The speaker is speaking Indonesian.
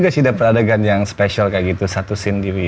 saya juga sih dapat adegan yang spesial kayak gitu satu scene diwi